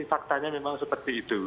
faktanya memang seperti itu